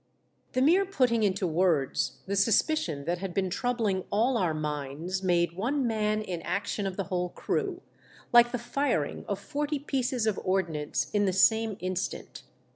The mere putting into words the suspicion that had been troubling all our minds made one man in action of the whole crew, like the firing of forty pieces of ordnance in the same instant.